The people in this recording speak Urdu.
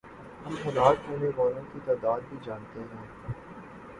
ہم ہلاک ہونے والوں کی تعداد بھی جانتے ہیں۔